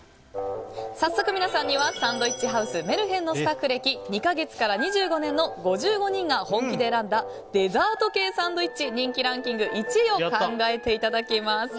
早速皆さんにはサンドイッチハウスメルヘンのスタッフ歴が２か月から２５年の５５人が本気で選んだデザート系サンドイッチ人気１位を考えていただきます。